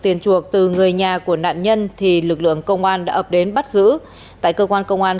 tiền chuộc từ người nhà của nạn nhân thì lực lượng công an đã ập đến bắt giữ tại cơ quan công an